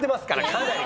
かなり。